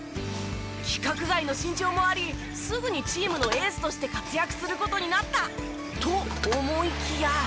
規格外の身長もありすぐにチームのエースとして活躍する事になったと思いきや。